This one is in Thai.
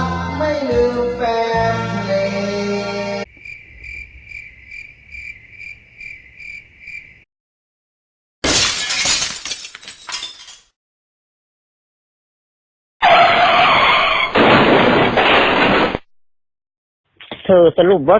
ขอบคุณทุกคน